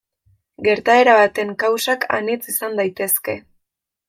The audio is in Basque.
Gertaera baten kausak anitz izan daitezke.